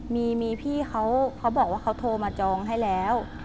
มีพี่เขาบอกว่าเขาโทรมาจองให้แล้ว